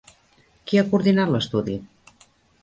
Qui ha coordinat l'estudi?